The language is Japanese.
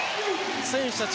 選手たち